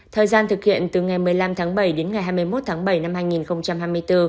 thời gian thực hiện từ ngày một mươi năm tháng bảy đến ngày hai mươi một tháng bảy năm hai nghìn hai mươi bốn